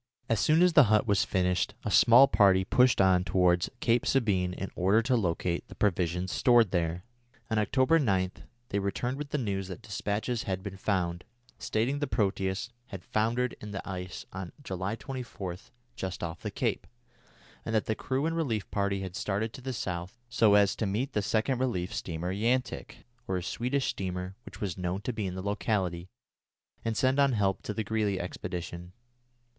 As soon as the hut was finished, a small party pushed on towards Cape Sabine in order to locate the provisions stored there. On October 9 they returned with the news that despatches had been found, stating the Proteus had foundered in the ice on July 24 just off the cape, and that the crew and relief party had started to the south so as to meet the second relief steamer Yantic, or a Swedish steamer which was known to be in the locality, and send on help to the Greely expedition.